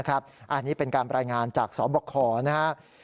อันนี้เป็นการรายงานจากสบคนะครับ